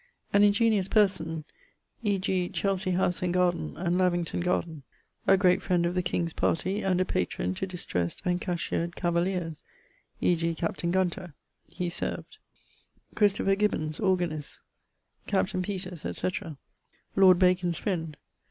An ingeniose person, e.g. Chelsey house and garden, and Lavington garden. A great friend of the king's partie and a patron to distressed and cashiered cavaliers, e.g. captain Gunter, he served; Christopher Gibbons (organist); captain Peters, etc. Lord Bacon's friend.